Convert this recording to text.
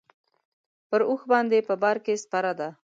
پر اوښ باندې په بار کې سپره ده.